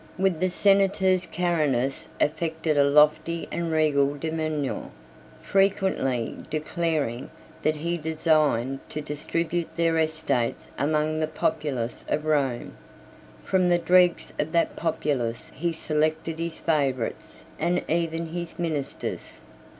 With the senators, Carinus affected a lofty and regal demeanor, frequently declaring, that he designed to distribute their estates among the populace of Rome. From the dregs of that populace he selected his favorites, and even his ministers.